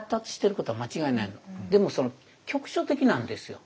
でもその局所的なんですよ。